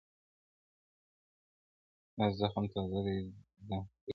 دا زخم تازه دی د خدنګ خبري نه کوو-